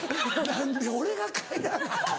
何で俺が帰らなアカン。